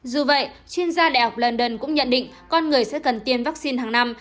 dù vậy chuyên gia đại học london cũng nhận định con người sẽ cần tiêm vaccine hàng năm